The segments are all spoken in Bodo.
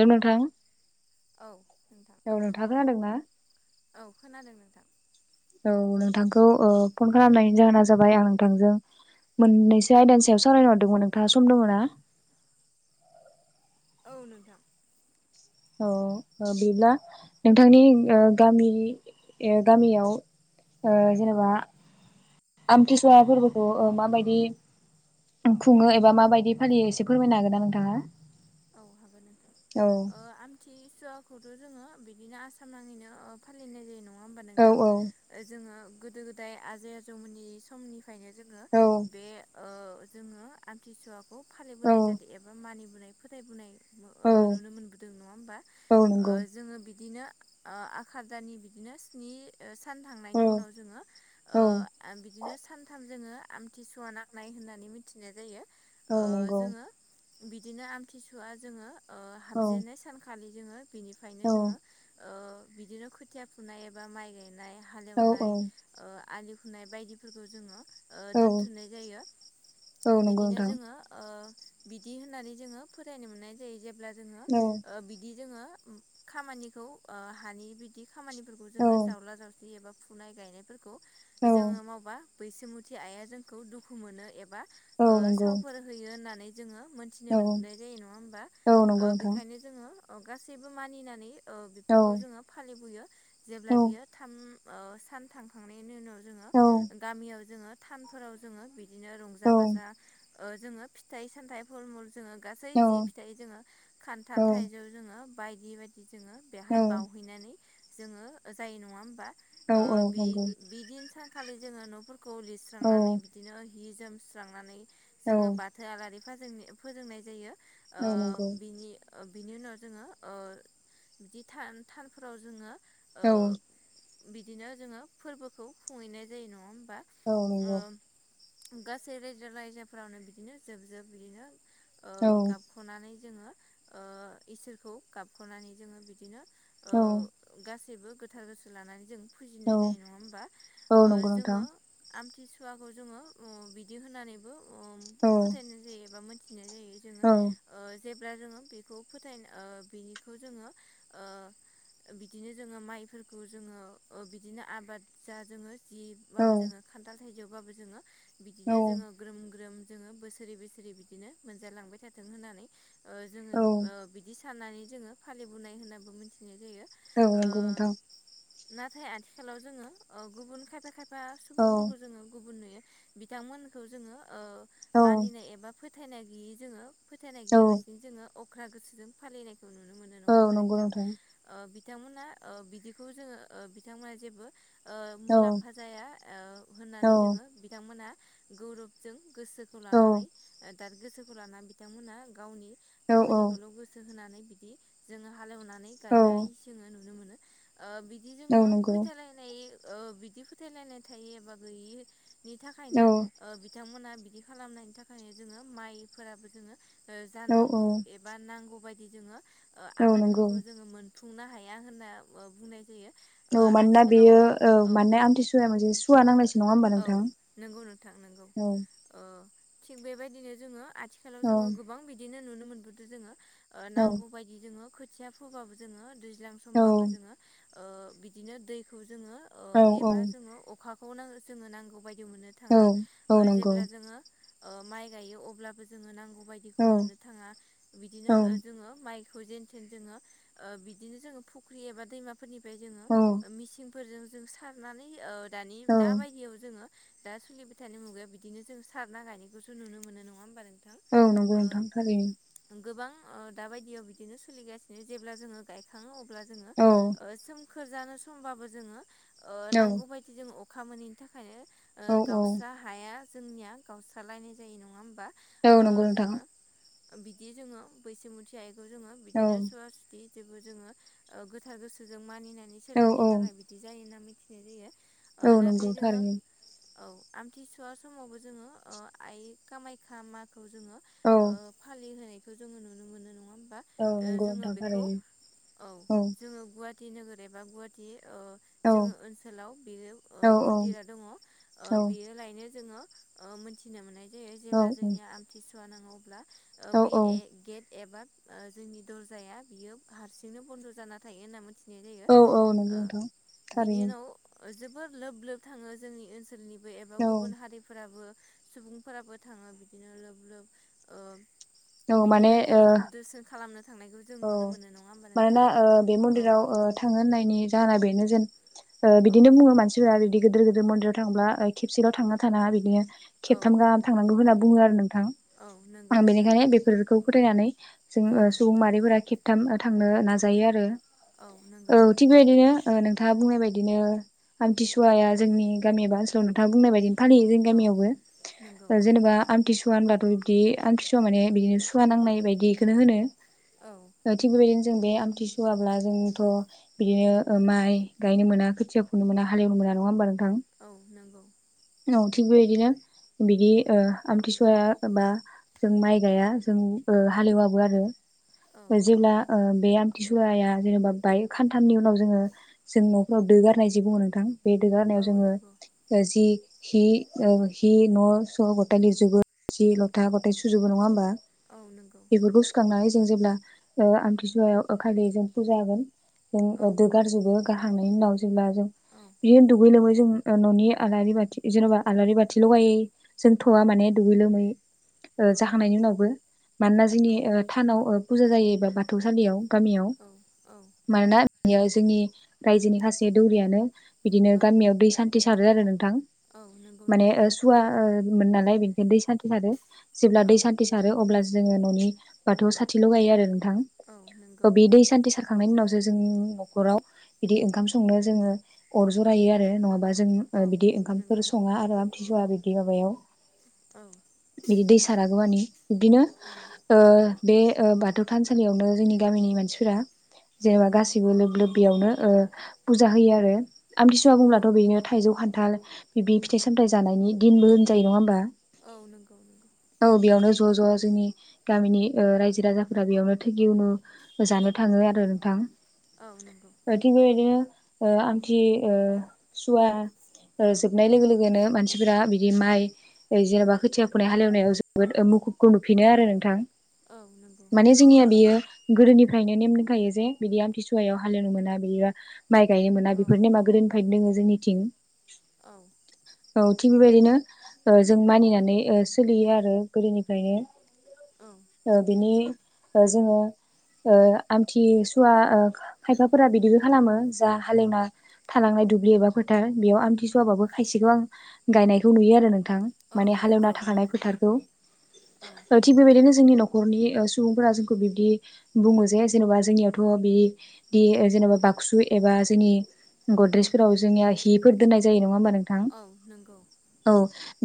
रमोनथां [unintelligible] औ नोंथां ना? औ खोनादों नोंथां। औ नोंथांखौ ओ फन खालामनायनि जाहोना जाबाय आं नोंथांजों मोननैसो आयदानि सायाव सावरायनो हरदोंमोन नोंथाङा समदअना। औ नोंथां औ बिब्ला नोंथांनि ओ गामिनि ओ गामियाव ओ जेनेबा आमथिसुवा फोरबोखौ माबायदि खुङो एबा माबायदि फालियो एसे फोरमायनो हागोनना नोंथाङा। औ हागोन औ नोंथां आमथिसुवा खौथ' जोङो बिदिनो आसाम नाङैनो फालिनाय जायो नङा होमबा औ नोंथां औ जोङो। गोदो गोदाय आजै आजौमोननि समनिफ्रायनो जोङो औ बे ओ। जोङो आमथिसुवाखौ औ फालिबोनाय जादों एबा मानिबोनाय फोथायबोनाय औ ओ नुनो मोनबोदों नङा होमबा औ नंगौ जोङो बि बिदिनो ओ आखार दाननि बिदिनो स्नि सान औ थांनायनि उनाव जोङो ओ औ आ बिदिनो सानथाम जोङो आमथिसुवा नांनाय होननानै मिथिनाय जायो। औ ओ नंगौ। जोङो बिदिनो आमथिसुवा जोङो ओ औ हाबजेननाय सानखालि जोङो बिनिफ्रायनो जोङो ओ बिदिनो खोथिया फुनाय एबा माइ गायनाय औ हालेवनाय औ ओ आलि खुनाय बायदिफोरखौ जोङो ओ औ दोनथुमनाय जायो औ नंगौ बिदिनो नोंथां जोङो ओ। बिदि होननानै जोङो फरायनो मोननाय जायो जेब्ला जोङो औ बिदि जोङो खामानिखौ ओ हानि बिदि खामानिफोरखौ औ जोङो जावला जावस्रि एबा फुनाय गायनायफोरखौ औ जोङो मावबा बैसुमुथि आइआ जोंखौ दुखु मोनो एबा औ ओ नंगौ सावफोर होयो होननानै जोङो मोनथिनो औ मोन। नाय जायो नंआ होमबा औ ओ नंगौ नोंथां बेखायनो जोंओ गासैबो मानिनानै ओ औ बेफोरखौ जोङो फालिबोयो जेब्ला औ बियो थाम ओ सान थांखांनायनि उनाव जोङो औ गामियाव जोङो थानफोराव जोङो बिदिनो औ रंजा बाजा ओ जोङो फिथाइ सामथाइ फलमल जोङो गासै औ जि फिथाइ जोङो खान्थाल औ थाइजौ जोङो बायदि बायदि। जोङो औ बेहाय बावहैनानै जोङो जायो नङा होमबा। औ ओ औ बि नंगौ बिदिन सानखालि जोङो न'फोरखौ औ लिरस्रांनानै बिदिनो हि जोम रांनानै औ जोङो बाथो आलारि फाजोंनाय फोजोंनाय जायो ओ औ नंगौ बिनि बिनि उनाव जोङो ओ बिदि थान थानफोराव जोङो ओ औ बिदिनो जोङो फोरबोखौ खुंहैनाय जायो नङा औ नोंगौ ओ गासै रायजो राजायजोफ्रावनो बिदिनो जोब जोब बिदिनो ओ औ गाबख'नानै जोङो ओ इसोरखौ गाबख'नानै जोङो बिदिनो ओ औ गासैबो गोथार गोसो लानानै जों औ फुजिनाय जायो नङा होमबा औ ओ नंगौ नोंथां जोंओ सिसुवाखौ जोङो बिदि होननानैबो औ फोथायनाय जायो एबा मिथि औ जेब्ला जोङो बेखौ फोथायनो बिनिखौ जोङो बिदिनो जोङो माइफोरखौ जोङो बिदिनो आबाद जा जोङो औ जिबाबो जोङो खान्थाल थाइजौबाबो जोङो औ बिदिनो जोङो ग्रोम ग्रोम जोङो बोसोरै बोसोरै बिदिनो मोनजालांबाय थाथों होननानै जोङो औ बिदि साननानै जोङो फालिबोनाय होनाबो मिथिनो औ नों गथां नाथाय आथिखालाव जोङो गुबुन खायफा खायफा औ सुबुंफोरखौ जोङो गुबुन नुयो बिथांमोनखौ जोङो औ मानिनाय एबा फोथायनाय गैयै जोङो फोथायनाय गैयालासिनो जोङो अख्रा गोसोजों फालिनायखौ नुनो मोनो औ नङा औ होमबा नंगौ नोंथां बिथांमोना बिदिखौ जोङो बिथांमोना जेबो औ मुलाम्फा जाया औ होननानै जोङो बिथांमोनहा गौरबजों गोसोखौ औ लानानै दा गोसोखौ लानानै बिथांमोनहा गावनि औ खामानिखौल' गोसो होनानै बिदि जोङो हालेवनानै औ गायनाय जोङो नुनो मोनो बिदि औ जोङो नंगौ फोथायलायनाय बिदि फोथायलायनाय थायो एबा गैयि नि थाखायनो औ बिथांमोना बिदि खालामनायनि थाखायनो जोङो माइफोराबो जोङो औ औ जानांगौ एबा नांगौ बायदि जोङो औ नंगौ आबादफोरखौ जोङो मोनफुंनो हायो होनना बुंनाय जायो औ मानोना आथिखालाव बेयो औ माने आमथिसुवाया मोनसे सुवा नांनायसो नङा होमबा औ नोंथां नंगौ नोंथां नंगौ औ थिग बेबायदिनो जोङो आथिखालाव औ जोङो गोबां बिदिनो नुनो मोनबोदों जोङो औ नांगौ बायदि जोङो खोथिया फोबाबो जोङो दैज्लां औ समबाबो जोङो बिदिनो दैखौ जोङो औ एबा जोङो अखाखौ जोङो नांगौ बायदि नो औ थाङा औ नंगौ जेब्ला जोङो माइ गायो अ जो नांगौ औ मोन थाङा औ बिदिनो ज म जेनेन जो बिदिनो जोो फुख्रि एबा दैमाफोरनि औ जोसिं फोरजों जों सारनानै दानि औ दा बायदियाव जोङो दा सोलिबाय थानाय मुगाया बिदिनो जों सार ना गायनायखौो नुनो मोन नङा होमबा नों औ नंगौ नोंथांथारि दा बायदियाव बिदिनो सोलिगासिनो जेब्ला जोङो गायखाङो अब्ला जोङो औ स खोरजानो समबाबो जोङो औ नांगौ बायदि जोङो अखा मोनैनि थाखायनो औ औ गावसा हाया जोंनिया गावस्रालायनाय जायो नङा होमबा ओ जनांग थां जोङो बिदि जोङो बैसो मुथि आइखौ जोङो औ बिदिनो सुवा सुथि जेबो जोङो गोथार गोसोजों मानिनानै औ सोलिनो औ थाखाय बिदि जायो होनना मिथिनाय जायो ओ औ नाथाय नंगौ जोङो थारैनो औ आमथिसुवा समावबो जोङो आइ खामायखा मा खौ जोङो औ फालिनायखौ जोङो नुनो मोनो नङा बा औ नंगौ जोङो नोंथां बेखौ थारैनो औ औ जोङो गुवाहाटि नोगोर एबा गुवाहाटि [inaudible] औ औ ङ मिथिनो मोननाय जे जेब्ला जोंनिया आमथिसुवा नाङो अब्ला औ बे गेट एबा ओ जोंनि दरजाया बियो हारसिंनो बन्द' जाना थायो होनना‌ मोन थिनाय जायो औ औ नंगौ ओ नोंथां बेनि थारैनो उनाव जोबोर लोब लोब थाङो जोंनि ओनसोल सोलनिबो एबा गुबुन औ हारिफोराबो सुबुंफोराबो थाङो बिदिनो लोब लोब ओ औ माने बिदिनो ओ दो-दोरसोन खालामनो था औ मानोना ओ बे मन्दिराव औ ओ थाङो होननायनि जाहोना बेनो जेन ओ बिदिनो बुङो मानसिफोरा बिदि गिदिर गिदिर मन्दिराव थांब्ला खेबसेल' थांना थानाङा बिदिनो औ खेबथाम गाहाम थांनांगौ होनना बुङो आरो नोंथां औ नंगौ आं नोंथां बेनिखायनो बेफोरखौ फोथायनानै जों औ सुबुं माहारिफोरा खेबथाम थांनो नाजायो आरो। औ थिग बेबादिनो ओ नोंथाङा बुंनाय बाददिनो आमथिसुवाया जोंनि गामि एबा ओनसोलाव नोंथाङा बुंनाय बायदिनो फालयो जोंनि औ नंगौ गामियावबो जेनेबा आमथिसु वा होनब्लाथ' बिदि आमथिसुवआ माने बिदिनो सुवा नांनाय बायदि बेखौनो होनो। औ थिग बेबायदिनो जों बे आमथिसुवाब्ला जोंथ' बिदिनो माइ गायनो मोना खोथिया नुनो मोना हालेवनो मोना नङा होनबा औ नंगौ थिग बेबायबायदिनो बिदि ओ आमथिसुवाया बा जों माइ गाया जों हालेवाबो आरो। औ जेब्ला ओ बे आमथिसुवाया जेनेबा बाय खानथामनि उनाव जोङो जों न'खराव दोगारनाय जि बुङो नोंथां बे दोगारनायाव औ जोङो नंगौ जि हि ओ हि न' स' गथाय लिरजोबो सि लथा गथाय सुजोबो नङा होमबा? औ नंगौ बेफोरखौ सुखांनानै जों जेब्ला ओ आमथिसुवायाव [unintelligible] जों फुजा होगोन औ जों दोगार जोबो गारखांनायनि उनाव जेब्ला जों औ बिदिनो दुगै लोमै जों न'नि आलारि बाथि जेन'बा आलारि बाथि लगायै जोंथ'वआ माने दुगै लोमै ओ औ जाखांनायनि उनावबो मानोना जोंनि ओ थानाव फुजा जायो बा बाथौ सलियाव गामियाव औ मानोना बेयो जोंनि रायजोनि खासे दौरियानो बिदिनो औ गामियाव दै सान्थि सारो आरो नोंथां औ नंगौ माने नोंथां सुवा ओ मोन नालाय बेनो दै सान्थि सारो जेब्ला औ दै सान्थि सारो अब्ला जोङो न'नि बाथौआव साथिल' गायो आरो नोंथां औ ओ नंगौ बे दै सान्थि सार खांनायनि उनावसो जों न'खराव बिदि ओंखाम संनो जोङो अर जरायो आरो नङाबा जों औ बिदि ओंखामफोर नंगौ सङा आरो आमथि सुवा बिदि माबायाव। औ बिदि दैसारागौमानि बिब्दिनो औ ओ बे ओ बाथौ थानसालियावनो जोंनि गामिनि मानसिफोरा जेनेबा गासिबो लोब लोब बेयावनो ओ फुजा होयो आरो। आमथिसुा औ बुंब्लाथ' बेनो थाइजौ खान्थाल बिदि फिथाइ सामथाय जानायनि दिनबो होनजायो नङा होनोमबा? औ नंगौ नंगौ ज' ज' जोंनि गामिनि ओ रायजो राजा बेयावनो थोगि अनु जानो थाङो आरो नोंथां औ नंगौ थिग बेबायदिनो ओ आमथि ओ सुवा ओ जोबनाय लोगो लोगोनो मानसिफोरा बिदि माइ जेनेबा खोथिया फुनाय हालेवनायाव जोबोद मु खुबखो खौ नुफिनो आरो नोंथां। औ नंगौ माने जोंनिया बियो गोदोनिफ्रायनो नेम दंखायो जे बिदि आमथिसुवायाव हालेवनो मोना बिदिबा माइ गायनो मोना औ बेफोर नेमा गोदोनिफ्रायनो दोङो जोंनिथिं। औ औ थिग बेबायदिनो ओ जों मानिनानै ओ सोलियो आरो गोदोनिफ्रायनो। औ ओ बिनि ओ जोङो ओ आमथि सुवा ओ खायफाफोरा बिदिबो खालामो जा हालेवना थालांनाय दुब्लि एबा फोथार बेयाव आमथिसुवाबाबो खायसेखौ आं गायनायखौ नुयो आरो नोंथां औ माने हालेवना नंगौ थाखानाय फोथारखौ। औ थिग बेबायनो जोंनि नखरनि सुबुंफोरा जोंखौ बिब्दि बुङो जे जेन'बा जोंनियावथ' बिदि जेनेबा बाक्सु एबा जोंनि गद्रेजफोराव जोंनिया हि फोर दोननाय जायो नङा होनबा नोंथां? औ नंगौ औ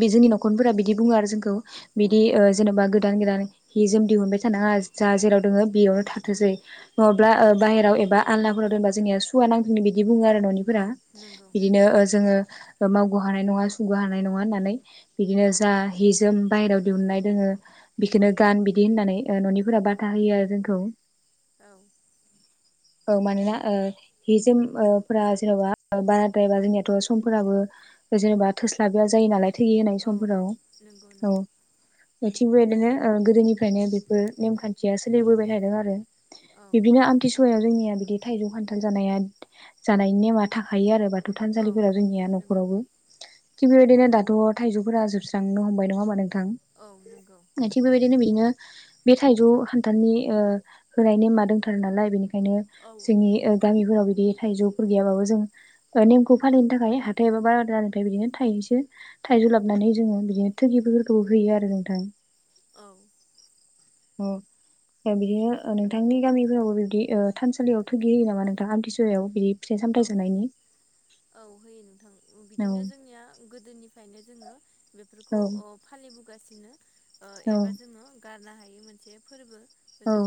बे जोंनि न'खरफोरा बिदि बुङो आरो जोंखौ बिदि ओ जेन'बा गोदान गोदान हि जोम दिहुनबाय थानाङा जा जेराव दोङो बेयावनो थाथोंसै नङाब्ला औ बायहेराव एबा आलनाफोराव दोनबा जोंनिया सुवा नाङो बिदि बुङो आरो न'निफोरा। औ नंगौ बिदिनो जोङो ओ मावग' हानाय नङा सुग' हानाय नङा होननानै बिदिनो औ जा हि जोम बायहेरायाव दिहुननाय दङो बिखौनो गान बिदि होननानै न'निफोरा बादा होयो आरो जोंखौ। औ। औ मानोना ओ हि जोम ओ फोरा जेन'बा बाराद्रायबा जोंनियाथ' समफोराबो जेनेबा थोस्लाबिया जायो नालाय [unintelligible] होनाय औ समफोराव नंगौ औ नंगौ थिग बेबायदिनो गोदोनिफ्रायनो बे फोर नेम खान्थिया सोलिबोबाय थादों आरो। औ बिदिनो आमथिसुवा याव जोंनिया बिदि थाइजौ खान्थाल जानाया जानायनि नेमा थाखायो आरो बा थौ औ थानसालिफोराव जोंनिया नंगौ न'खरावबो। थिग बेबायदिनो दाथ' थाइजौफोरा जोबस्रांनो हमबाय नङा होनबा नोंथां? औ नंगौ थिग बेबायदिनो बिदिनो बे थाइजौ खान्थालनि ओ होनाय नेमा दंथारो नालाय बेनिखायनो औ जोंनि ओ गामि फोराव बिदि थायजौफोर गैयाबाबो जों नेमखौ फालिनो थाखाय हाथाय एबा बाजारनिफ्राय बिदिनो थायनैसो थाइजौ लाबोनानै जोङो बिदिनो थुगिफोरखौ होयो आरो नोंथां। औ। अह ओ बिदिनो नोंथांनि गामिफोरावबो बिबदि थानसालियाव थुगि होयो नामा नोंथां आमथिसुवायाव बिदि? फिथाइ सामथाइ औ जानायनि औ होयो नोंथां उम औ बिदिनो जोंनिया गोदोनिफ्रायनो जोङो औ बेफोरखौ ओ फालिबोगासिनो औ एबा जोङो गारनो हा यि मोनसे फोरबो औ जों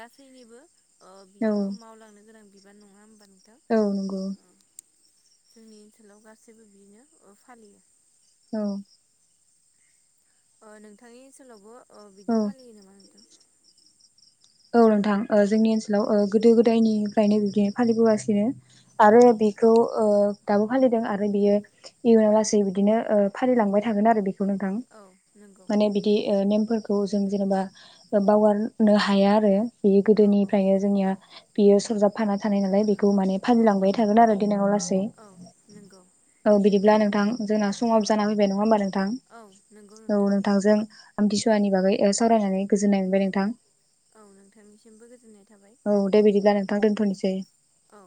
गासैनिबो ओ औ बियो मावलांनो गोनां बिबान नङा होनबा? औ नंगौ। जोंनि ओनसोलाव गासैबो बिनो ओ फालियो। औ। ओ नोंथांनि ओनसोलावबो ओ बिदि औ फालियो नामा नोंथां? औ नोंथां ओ जोंनि ओनसोलाव गोदो गोदायनिफ्रायनो बिब्दिनो फालिबोगासिनो आरो औ बेखौ ओ दाबो फालिदों आरो बेयो इयुनालासै बिदिनो ओ फालिलांबाय थागोन आरो बे खौ नोंथां। औ नंगौ माने बिदि नेमफोरखौ जों जेनेबा बावगारनो हाया आरो। बे औ गोदोनिफ्रायनो जोंनिया बियो सरजाबफाना थानाय नालाय बे खौ माने औ फालिलांबाय थागोन आरो देनांलासै। औ नंगौ औ बिदिब्ला नों थां जोंना समाबो जाना फैबाय नङा होमबा नोंथां? औ नंगौ औ नोंथां नोंथांजों आमथिसुवानि बागै ओ सावरायनानै गोजोननाय मोनबाय नोंथां। औ नोंथांनिसिमबो गोजोननाय थाबाय औ दे बिदिब्ला नोंथां दोनथ'नोसै। औ।